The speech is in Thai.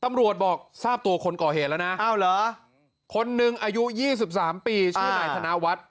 ตำรวจบอกทราบตัวคนก่อเหตุแล้วนะคนหนึ่งอายุ๒๓ปีชื่อนายธนวัฒน์